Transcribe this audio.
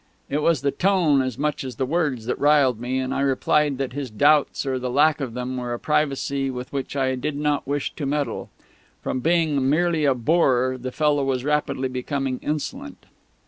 It was the tone as much as the words that riled me; and I replied that his doubts or the lack of them were a privacy with which I did not wish to meddle. From being merely a bore the fellow was rapidly becoming insolent.